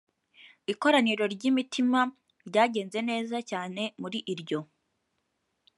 ikoraniro ry i myitkyina ryagenze neza cyane muri iryo